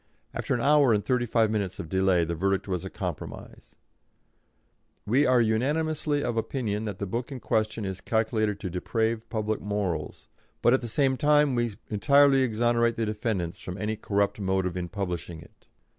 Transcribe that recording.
After an hour and thirty five minutes of delay the verdict was a compromise: "We are unanimously of opinion that the book in question is calculated to deprave public morals, but at the same time we entirely exonerate the defendants from any corrupt motive in publishing it."